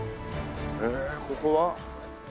へえここは？